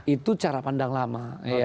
itu cara pandang lama